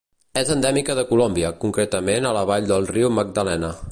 És endèmica de Colòmbia, concretament a la vall del Riu Magdalena.